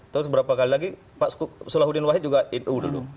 terus berapa kali lagi pak sulahuddin wahid juga nu dulu